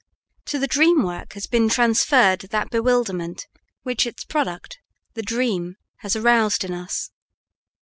To the dream work has been transferred that bewilderment which its product, the dream, has aroused in us.